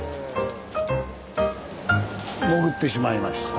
潜ってしまいました。